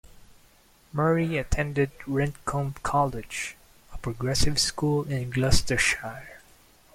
Murry attended Rendcomb College, a progressive school in Gloucestershire.